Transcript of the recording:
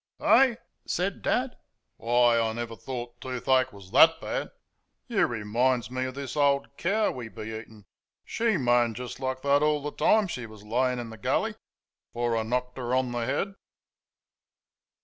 "Eh!" said Dad, "why, I never thought toothache was THET bad! You reminds me of this old cow we be eatin'. SHE moaned just like thet all the time she was layin' in the gully, afore I knocked 'er on the head."